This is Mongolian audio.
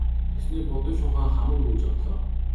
Тэгснээ будаг шунхаа хаман гүйж одлоо.